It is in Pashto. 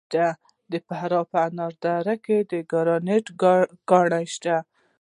د فراه په انار دره کې د ګرانیټ کان شته.